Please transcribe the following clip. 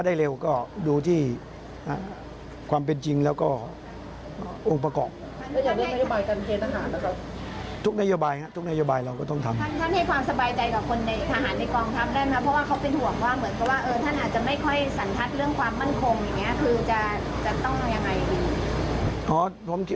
ท่านอาจจะไม่ค่อยสันทัศน์เรื่องความมั่นคงอย่างนี้คือจะต้องยังไง